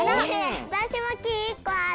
わたしもきん１こある！